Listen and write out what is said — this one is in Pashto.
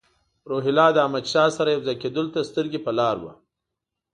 روهیله له احمدشاه سره یو ځای کېدلو ته سترګې په لار وو.